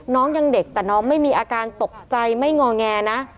น้องยังเด็กแต่น้องไม่มีอาการตกใจไม่งอแงนะ